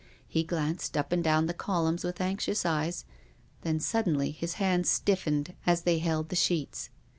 He glanced up and down the columns with anx ious eyes, then suddenly his hands stiffened as they held the sheets.